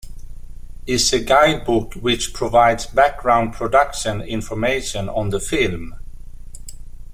is a guide book which provides background production information on the film.